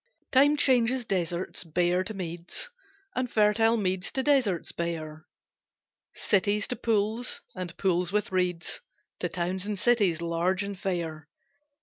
Time changes deserts bare to meads, And fertile meads to deserts bare, Cities to pools, and pools with reeds To towns and cities large and fair.